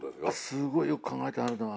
すごい！よく考えてあるな。